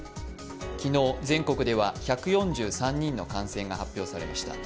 今日、全国では１４３人の感染が発表されました。